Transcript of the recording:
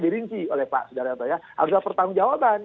disingkir oleh pak sudara sudara ada pertanggungjawaban